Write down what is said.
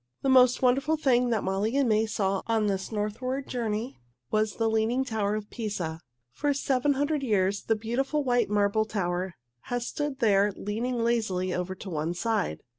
The most wonderful thing which Molly and May saw on this northward journey was the Leaning Tower at Pisa. For seven hundred years the beautiful white marble tower has stood there leaning lazily over to one side.